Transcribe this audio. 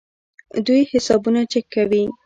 دوی حسابونه چک کوي.